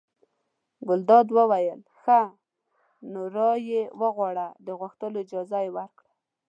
ګلداد وویل ښه! نو را ویې غواړه د غوښتلو اجازه یې ورکړه.